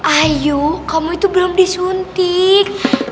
ayo kamu itu belum disuntik